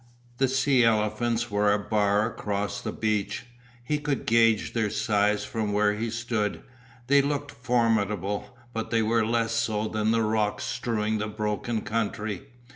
The sea elephants were a bar across the beach. He could gauge their size from where he stood, they looked formidable, but they were less so than the rocks strewing that broken country.